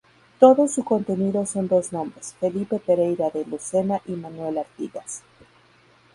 Todo su contenido son dos nombres: Felipe Pereyra de Lucena y Manuel Artigas.